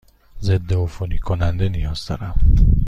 ضدعفونی کننده نیاز دارم.